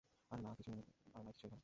আরে, নাই কিছুই এইখানে।